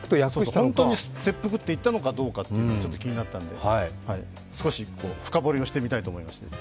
本当に切腹と言ったのかどうか、気になったので少し深掘りをしてみたいと思いまして。